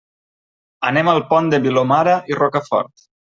Anem al Pont de Vilomara i Rocafort.